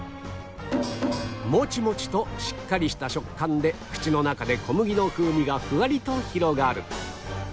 モチモチとしっかりした食感で口の中で小麦の風味がふわりと広がる